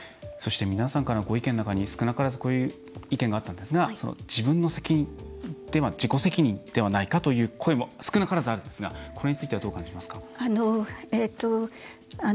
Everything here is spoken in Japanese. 皆さんからのご意見の中に少なからずこういう意見があったんですが自分の責任自己責任ではないかという声も少なからずあるんですがこれについてはどう感じますか。